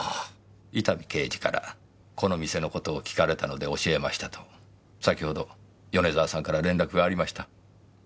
「伊丹刑事からこの店の事を訊かれたので教えました」と先ほど米沢さんから連絡がありました。